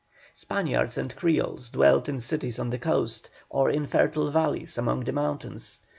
Spaniards and Creoles dwelt in cities on the coast, or in fertile valleys among the mountains.